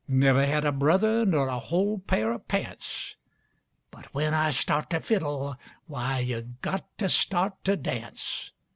Never had a brother ner a whole pair of pants, But when I start to fiddle, why, yuh got to start to dance!